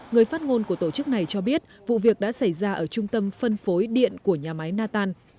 người phát ngôn của tổ chức này cho biết vụ việc đã xảy ra ở trung tâm phân phối điện của nhà máy natan